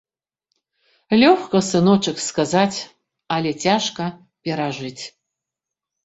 Лёгка, сыночак, сказаць, але цяжка перажыць.